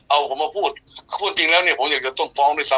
เอาผมมาพูดข้อจริงแล้วเนี่ยผมอยากจะต้องฟ้องด้วยซ้